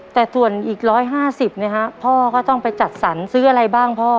แต่ส่วนอีกร้อยห้าสิบนะฮะพ่อก็ต้องไปจัดสรรซื้ออะไรบ้างพ่อ